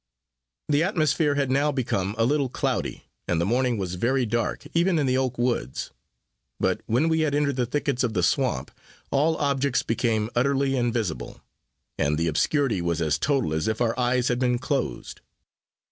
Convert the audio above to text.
The atmosphere had now become a little cloudy, and the morning was very dark, even in the oak woods; but when we had entered the thickets of the swamp, all objects became utterly invisible; and the obscurity was as total as if our eyes had been closed.